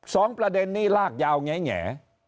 สองประเด็นนี้ลากยาวแง่